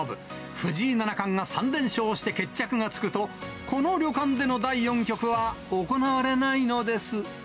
藤井七冠が３連勝して決着がつくと、この旅館での第４局は行われないのです。